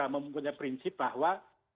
mempunyai prinsip bahwa